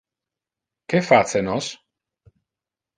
Que face nos?